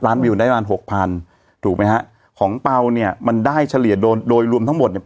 วิวได้ประมาณหกพันถูกไหมฮะของเปล่าเนี่ยมันได้เฉลี่ยโดยรวมทั้งหมดเนี่ย